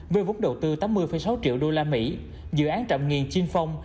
với vốn đầu tư tám mươi sáu triệu đô la mỹ dự án trậm nghiền chinh phong